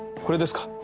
これですか？